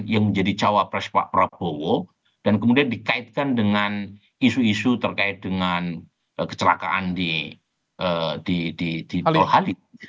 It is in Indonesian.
yang menjadi cawapres pak prabowo dan kemudian dikaitkan dengan isu isu terkait dengan kecelakaan di tol halid